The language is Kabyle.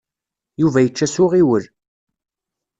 Yuba yečča s uɣiwel.